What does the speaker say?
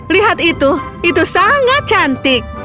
lihat itu itu sangat cantik